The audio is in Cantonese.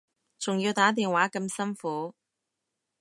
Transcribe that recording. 仲要打電話咁辛苦